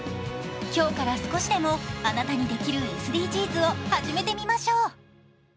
今日から少しでもあなたにできるＳＤＧｓを始めてみましょう。